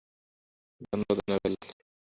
ধন্যবাদ, অ্যানাবেল।